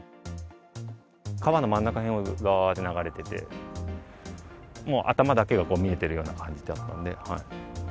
川の真ん中辺で流れてて、もう頭だけが見えているような感じだったので。